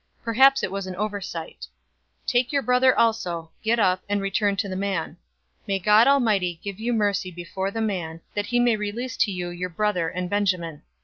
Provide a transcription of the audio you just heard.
Perhaps it was an oversight. 043:013 Take your brother also, get up, and return to the man. 043:014 May God Almighty give you mercy before the man, that he may release to you your other brother and Benjamin.